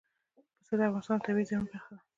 پسه د افغانستان د طبیعي زیرمو برخه ده.